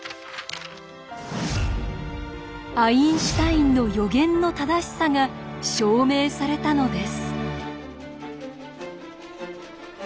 アインシュタインの予言の正しさが証明されたのです。